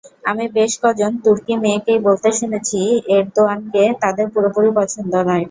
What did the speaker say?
আমি বেশ কজন তুর্কি মেয়েকেই বলতে শুনেছি, এরদোয়ানকে তাদের পুরোপুরি পছন্দ নয়।